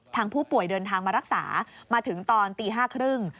ผู้ป่วยเดินทางมารักษามาถึงตอนตี๕๓๐